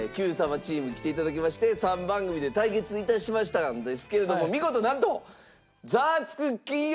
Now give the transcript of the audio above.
チームに来て頂きまして３番組で対決致しましたんですけれども見事なんと。